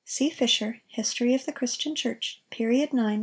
(See Fisher, "History of the Christian Church," period 9, ch.